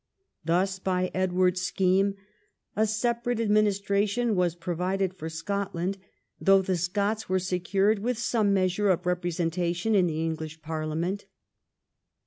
Thus by Edward's scheme a separate administration was provided for Scotland, though the Scots Avere secured Avith some measure of representation in the English parliament.